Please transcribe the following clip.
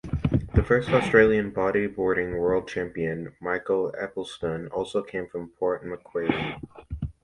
The first Australian bodyboarding world champion, Michael Epplestun, also came from Port Macquarie.